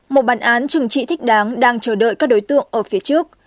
một bản án trừng trị thích đáng đang chờ đợi các đối tượng ở phía trước